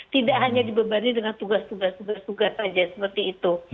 tidak hanya dibebani dengan tugas tugas tugas bertugas saja seperti itu